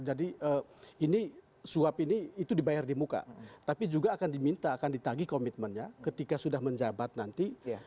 jadi ini suap ini itu dibayar di muka tapi juga akan diminta akan ditagi komitmennya ketika sudah menjabat nanti